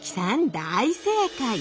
大正解！